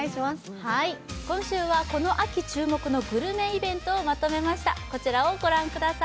今週はこの秋注目のグルメイベントを特集しました。